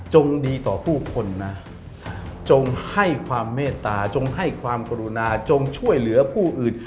ดีต่อผู้คนนะจงให้ความเมตตาจงให้ความกรุณาจงช่วยเหลือผู้อื่น